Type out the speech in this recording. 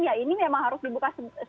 ya ini memang harus dibuka